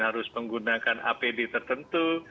harus menggunakan apd tertentu